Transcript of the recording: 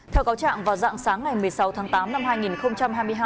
theo cáo trạng vào dạng sáng ngày một mươi sáu tháng tám năm hai nghìn hai mươi hai